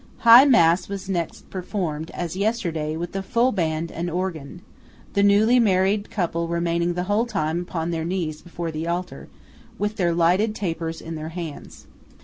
High mass was next performed, as yesterday, with the full band and organ; the newly married couple remaining the whole time upon their knees before the altar, with their lighted tapers in their hands.